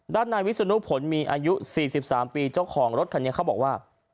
ด้านนายวิศนุผลมีอายุ๔๓ปีเจ้าของรถคันนี้เขาบอกว่า